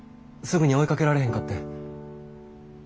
すぐに追いかけられへんかって。